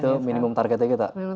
itu minimum targetnya kita